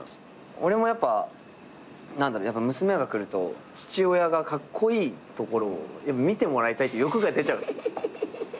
俺もやっぱ娘が来ると父親がカッコイイところを見てもらいたいっていう欲が出ちゃう。